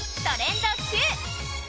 トレンドＱ。